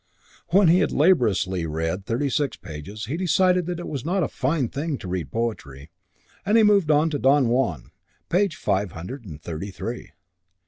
When he had laboriously read thirty six pages he decided that it was not a fine thing to read poetry, and he moved on to Don Juan, page five hundred and thirty three.